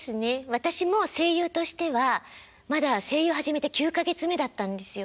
私も声優としてはまだ声優始めて９か月目だったんですよ。